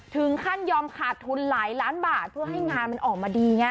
ถึงขั้นยอมขาดทุนหลายล้านบาทเพื่อให้งานมันออกมาดีไง